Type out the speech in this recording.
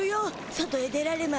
外へ出られま